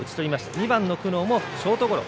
２番の久納もショートゴロ。